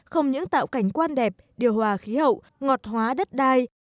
không những tạo cảnh quan đẹp điều hòa khí hậu ngọt hóa đất đai